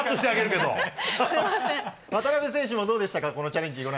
渡辺選手もどうでしたか？